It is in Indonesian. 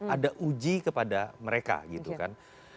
ada uji kepada mereka gitu kan